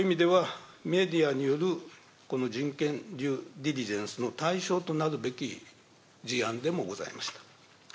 そういう意味では、メディアによるこの人権の対象となるべき事案でもございました。